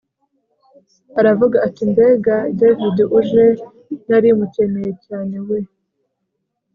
aravuga ati mbega david uje narimukeneye cyane we